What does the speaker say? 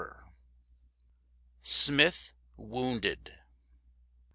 SMITH WOUNDED.